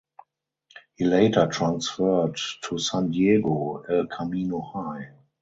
He later transferred to San Diego El Camino High.